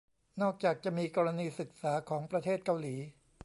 นอกจากจะมีกรณีศึกษาของประเทศเกาหลี